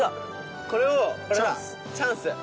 これをチャンス。